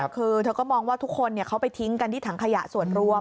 คือเธอก็มองว่าทุกคนเขาไปทิ้งกันที่ถังขยะส่วนรวม